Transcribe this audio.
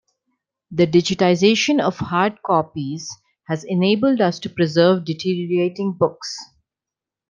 The digitization of hard copies has enabled us to preserve deteriorating books.